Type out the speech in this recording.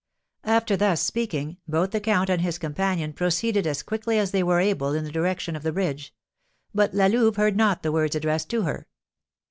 After thus speaking, both the count and his companion proceeded as quickly as they were able in the direction of the bridge; but La Louve heard not the words addressed to her.